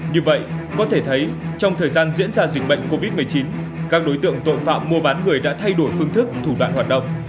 như vậy có thể thấy trong thời gian diễn ra dịch bệnh covid một mươi chín các đối tượng tội phạm mua bán người đã thay đổi phương thức thủ đoạn hoạt động